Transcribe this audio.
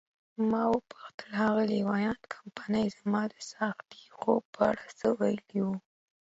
ما وپوښتل: آغلې وان کمپن زما د څاښتي خوب په اړه څه ویلي وو؟